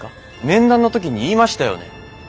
面談の時に言いましたよね。